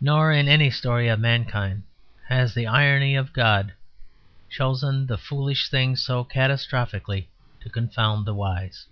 Nor in any story of mankind has the irony of God chosen the foolish things so catastrophically to confound the wise.